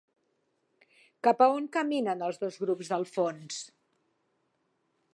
Cap a on caminen els dos grups del fons?